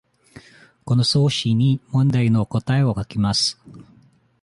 この用紙に問題の答えを書きます。